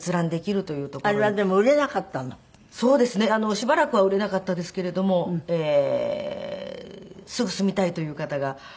しばらくは売れなかったですけれどもすぐ住みたいという方が見つかりまして。